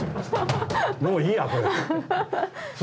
もういいやこれで。